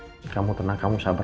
ya udah kamu tenang kamu sabar